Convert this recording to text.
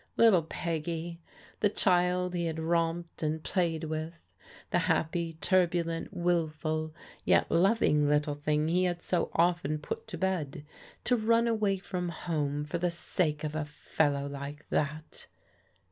Little Peggy, the child he had romped and played with; the happy, turbulent, wilful, yet loving little thing he had so often put to bed, to run away from home for the sake of a fellow like that